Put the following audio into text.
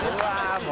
もう